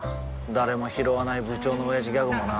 誰もひろわない部長のオヤジギャグもな